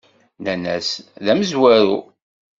Nnan-as: D amezwaru.